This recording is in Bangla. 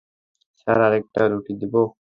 স্যার, আরেকটা রুটি দিব?